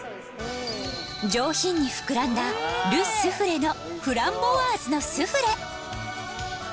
上品に膨らんだルスフレのフランボワーズのスフレ。